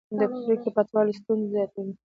د پرېکړو پټوالی ستونزې زیاتوي